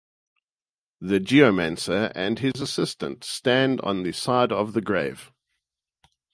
The geomancer and his assistants stand on the side of the grave.